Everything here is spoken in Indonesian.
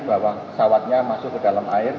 bahwa pesawatnya masuk ke dalam air